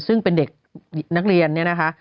ซึ่งเป็นเด็กนักเรียนเนี่ยนะคะ